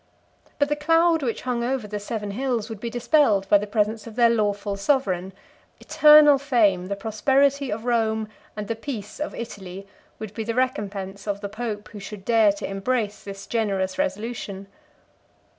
58 But the cloud which hung over the seven hills would be dispelled by the presence of their lawful sovereign: eternal fame, the prosperity of Rome, and the peace of Italy, would be the recompense of the pope who should dare to embrace this generous resolution.